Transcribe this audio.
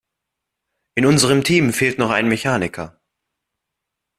In unserem Team fehlt noch ein Mechaniker.